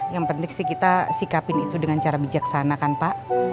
yang penting sih kita sikapin itu dengan cara bijaksana kan pak